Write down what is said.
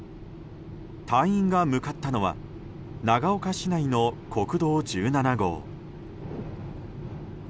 隊員が向かったのは長岡市内の国道１７号。